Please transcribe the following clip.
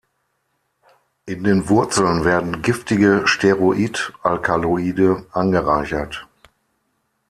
In den Wurzeln werden giftige Steroid-Alkaloide angereichert.